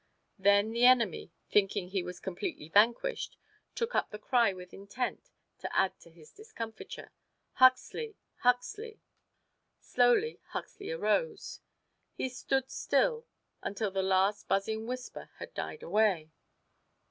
Then the enemy, thinking he was completely vanquished, took up the cry with intent to add to his discomfiture: "Huxley! Huxley!" Slowly Huxley arose. He stood still until the last buzzing whisper had died away.